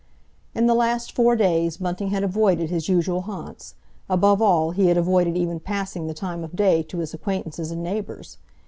In the last four days Bunting had avoided his usual haunts; above all, he had avoided even passing the time of day to his acquaintances and neighbours.